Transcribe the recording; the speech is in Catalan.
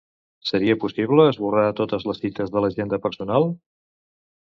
Seria possible esborrar totes les cites de l'agenda personal?